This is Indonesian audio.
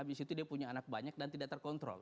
abis itu dia punya anak banyak dan tidak terkontrol